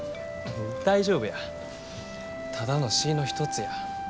大丈夫やただの詩ぃの一つや。